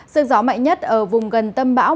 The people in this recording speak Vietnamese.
sức gió mạnh nhất ở vùng gần tâm bão